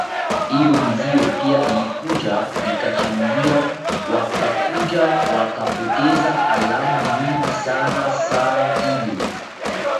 hiyo ndio pia ilikuja ikachangia wakakuja wakapoteza alama nyingi sana saa ile